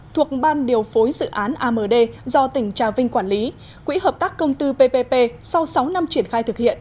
thuộc ban điều phối dự án amd do tỉnh trà vinh quản lý quỹ hợp tác công tư ppp sau sáu năm triển khai thực hiện